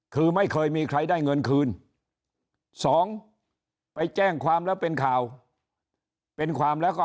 คือไม่เคยมีใครได้เงินคืน๒ไปแจ้งความแล้วเป็นข่าว